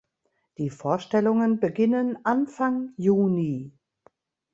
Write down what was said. Die Vorstellungen beginnen Anfang Juni.